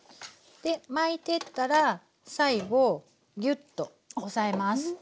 巻いてったら最後ギュッと押さえます。